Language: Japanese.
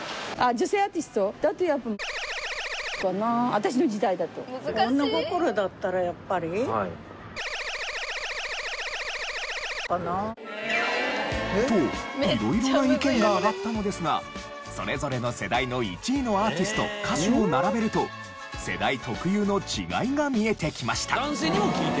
私の時代だと。と色々な意見が上がったのですがそれぞれの世代の１位のアーティスト・歌手を並べると世代特有の違いが見えてきました。